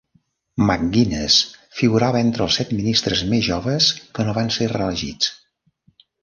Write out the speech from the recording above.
McGuinness figurava entre els set ministres més joves que no van ser reelegits.